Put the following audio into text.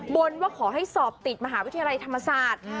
บนว่าขอให้สอบติดมหาวิทยาลัยธรรมศาสตร์